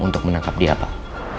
untuk menangkap dia pak